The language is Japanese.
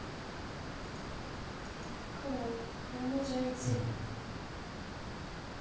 黒４の十一。